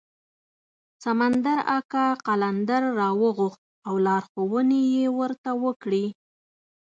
سمندر اکا قلندر راوغوښت او لارښوونې یې ورته وکړې.